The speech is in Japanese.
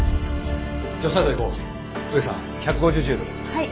はい。